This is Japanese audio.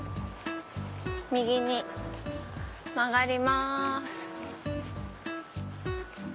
右に曲がります。